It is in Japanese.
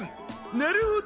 なるほど。